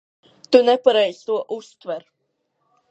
Tu nepareizi to uztver.